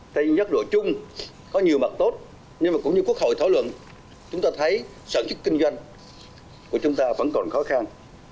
trên nhắc lộ chung có nhiều mặt tốt nhưng mà cũng như quốc hội thảo luận chúng ta thấy sản xuất kinh doanh của chúng ta vẫn còn khó khăn